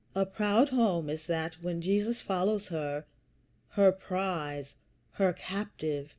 A proud home is that, when Jesus follows her her prize, her captive.